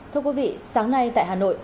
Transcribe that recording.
thưa quý vị sáng nay tại hà nội